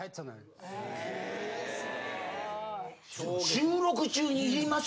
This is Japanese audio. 収録中に言います？